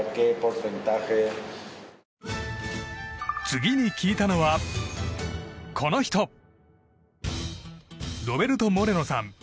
次に聞いたのは、この人ロベルト・モレノさん。